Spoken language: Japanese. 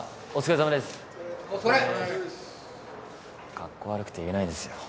カッコ悪くて言えないですよ。